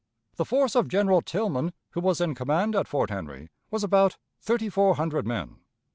The force of General Tilghman, who was in command at Fort Henry, was about thirty four hundred men.